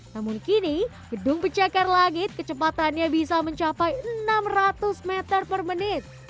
namun kini gedung pecakar langit kecepatannya bisa mencapai enam ratus meter per menit